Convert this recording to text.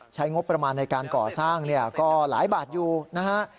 ใช้งบประมาณในการก่อสร้างเนี่ยก็หลายบาทอยู่นะฮะ